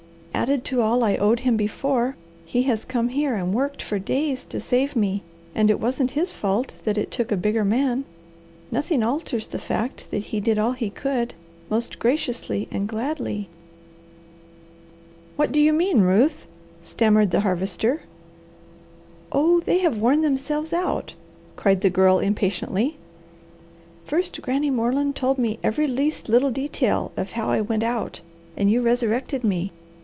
"Added to all I owed him before, he has come here and worked for days to save me, and it wasn't his fault that it took a bigger man. Nothing alters the fact that he did all he could, most graciously and gladly." "What do you mean, Ruth?" stammered the Harvester. "Oh they have worn themselves out!" cried the Girl impatiently. "First, Granny Moreland told me every least little detail of how I went out, and you resurrected me.